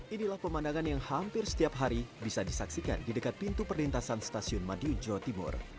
inilah pemandangan yang hampir setiap hari bisa disaksikan di dekat pintu perlintasan stasiun madiun jawa timur